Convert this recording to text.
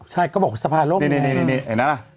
ใช่ก็บอกสภาโลกไง